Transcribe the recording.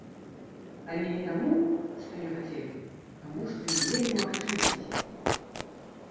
Але не таму, што не хацелі, а таму што не мелі магчымасці.